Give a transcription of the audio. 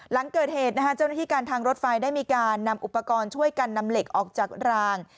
หลังเกิดเหตุเจ้าหน้าที่การทางรถไฟได้มีการนำอุปกรณ์ช่วยกันนำเหล็กออกจากราง